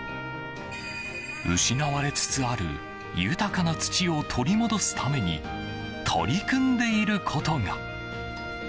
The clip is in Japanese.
失われつつある豊かな土を取り戻すために取り組んでいることが。